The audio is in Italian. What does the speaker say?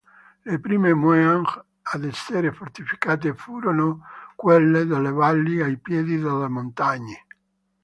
Le prime "mueang" ad essere fortificate furono quelle delle valli ai piedi delle montagne.